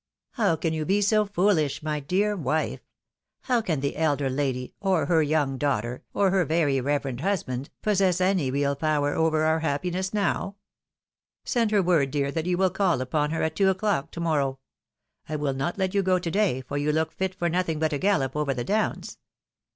How can you be so foolish, my dear wife? How can the elder lady, or her young daughter, or her very reverend husband, possess any real power over our happiness now? Send her word, dear, that you wiU call upon her at two o'clock to mor row ; I wiU not let you go to day, for you look fit for nothing but a gallop over the downs.